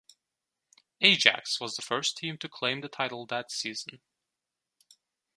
Ajax was the first team to claim the title that season.